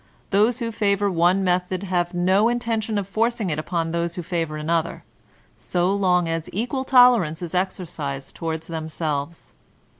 Those who favor one method have no inten tion of forcing it upon those who favor another, so long as equal tolerance is exercised toward themselves.